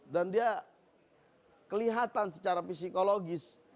dan dia kelihatan secara psikologis